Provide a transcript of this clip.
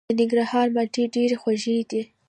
د ننګرهار مالټې ډیرې خوږې دي.